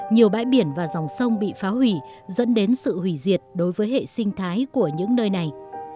nhiều bãi biển và dòng sông bị phá hủy dẫn đến sự hủy diệt đối với hệ sinh thái của những nơi này